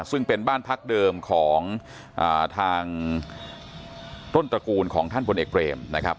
ซึ่งเป็นบ้านพักเดิมของทางต้นตระกูลของท่านพลเอกเบรมนะครับ